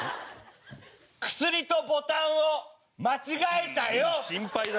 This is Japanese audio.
薬とボタンを間違えたよ！